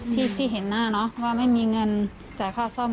ที่เห็นหน้าเนอะว่าไม่มีเงินจ่ายค่าซ่อม